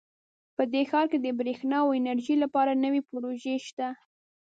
په دې ښار کې د بریښنا او انرژۍ لپاره نوي پروژې شته